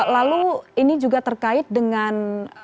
lalu ini juga terkait dengan